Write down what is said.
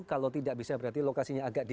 kalau tidak bisa berarti lokasinya dekat sana